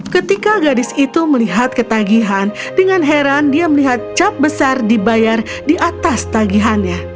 ketika gadis itu melihat ketagihan dengan heran dia melihat cap besar dibayar di atas tagihannya